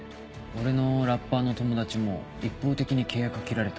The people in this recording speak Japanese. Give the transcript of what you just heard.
俺のラッパーの友達も一方的に契約切られたって言ってた。